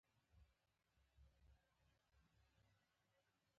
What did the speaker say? هغه په دې ارتباط حجاز ته سفر کړی و.